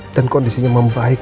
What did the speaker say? dan kondisinya membaik